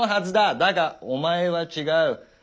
だがお前は違う。